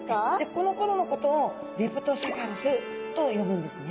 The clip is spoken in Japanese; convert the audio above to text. このころのことをレプトセファルスと呼ぶんですね。